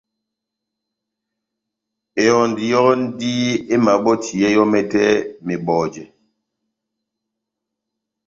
Ehɔndi yɔ́ndi emabɔtiyɛ yɔ́ mɛtɛ mɛtɛ mebɔjɛ